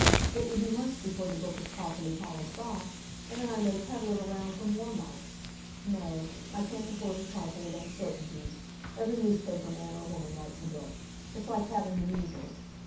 It will be months before the book is properly polished off. And then I may peddle it around for more months. No; I can't afford to trifle with uncertainties. Every newspaper man or woman writes a book. It's like having the measles.